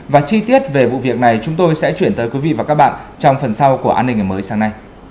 và chi tiết về vụ việc này chúng tôi sẽ chuyển tới quý vị và các bạn trong phần sau của an ninh ngày mới sáng nay